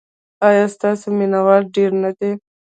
ایا ستاسو مینه وال ډیر نه دي؟